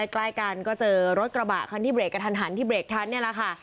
ใกล้กันก็เจอรถกระบะที่เบรกทันที่เบรกทันเนี่ยแหละค่ะ